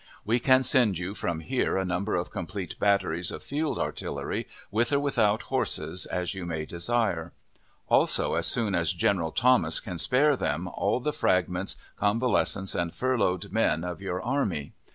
We can send you from here a number of complete batteries of field artillery, with or without horses, as you may desire; also, as soon as General Thomas can spare them, all the fragments, convalescents, and furloughed men of your army.